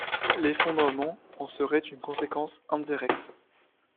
L'effondrement en serait une conséquence indirecte.